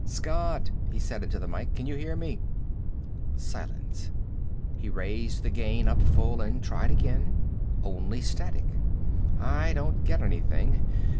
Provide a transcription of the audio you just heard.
"Scott!" he said into the mike. "Can you hear me?" Silence. He raised the gain up full and tried again. Only static. "I don't get anything.